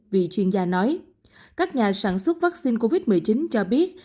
vì chuyên gia nói các nhà sản xuất vaccine covid một mươi chín cho biết